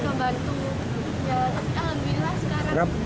ya alhamdulillah sekarang